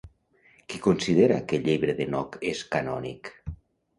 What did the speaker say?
Qui considera que el Llibre d'Henoc és canònic?